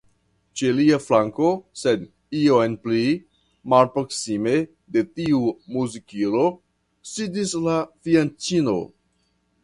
Ĉe lia flanko, sed iom pli malproksime de tiu muzikilo, sidis la fianĉino.